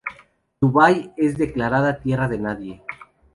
Dubái es declarada tierra de nadie.